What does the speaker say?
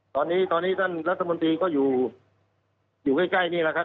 ตอนนี้ตอนนี้ท่านรัฐมนตรีก็อยู่ใกล้นี่แหละครับ